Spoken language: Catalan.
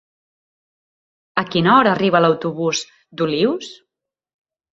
A quina hora arriba l'autobús d'Olius?